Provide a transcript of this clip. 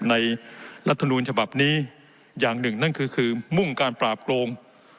รัฐมนูลฉบับนี้อย่างหนึ่งนั่นคือคือมุ่งการปราบโกง